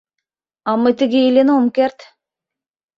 А мый тыге илен ом керт.